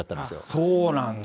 そうなんだ。